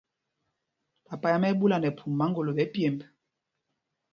Papa yǎm ɛ́ ɛ́ ɓúla nɛ phum maŋgolo ɓɛ̌ pyemb.